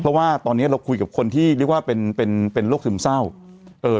เพราะว่าตอนเนี้ยเราคุยกับคนที่เรียกว่าเป็นเป็นเป็นโรคซึมเศร้าเอ่อ